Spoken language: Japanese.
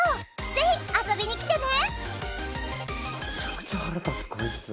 ぜひ遊びに来てね！